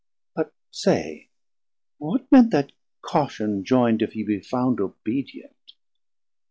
But say, What meant that caution joind, If Ye Be Found Obedient?